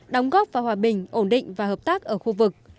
đóng góp vào hòa bình ổn định và hợp tác ở khu vực